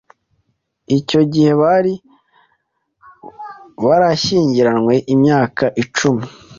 Icyo gihe bari barashyingiranywe imyaka icumi.